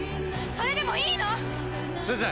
それでもいいの⁉すず！